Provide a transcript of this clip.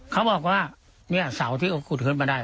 เขาบอกว่าเนี่ยเสาที่กุดขึ้นมา